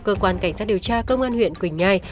cơ quan cảnh sát điều tra công an huyện quỳnh nhai